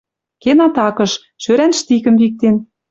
Кен атакыш, шӧрӓн штикым виктен